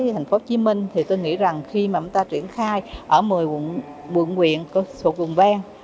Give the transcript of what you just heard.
thành phố hồ chí minh thì tôi nghĩ rằng khi mà chúng ta triển khai ở một mươi quận huyện thuộc quận vang